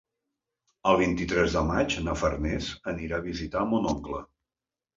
El vint-i-tres de maig na Farners anirà a visitar mon oncle.